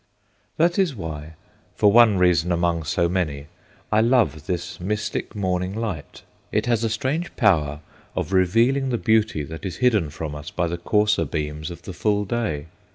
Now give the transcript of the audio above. That is why, for one reason among so many, I love this mystic morning light. It has a strange power of revealing the beauty that is hidden from us by the coarser beams of the full day.